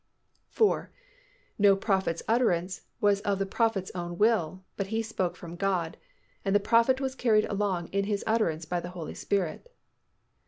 4. _No prophet's utterance was of the prophet's own will, but he spoke from God, and the prophet was carried along in his utterance by the Holy Spirit.